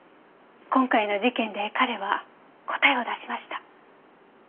今回の事件で彼は答えを出しました。